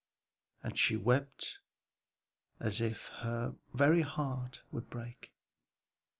and she wept as if her very heart would break.